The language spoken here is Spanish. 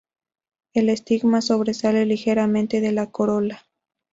El estigma sobresale ligeramente de la corola.